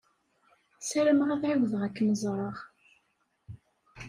Sarameɣ ad ɛiwdeɣ ad kem-ẓṛeɣ.